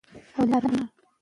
د کلمو ځواک درک کړئ.